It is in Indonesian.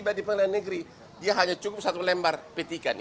tiba di pengelolaan negeri dia hanya cukup satu lembar petikan